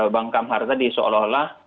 bang kamhar tadi seolah olah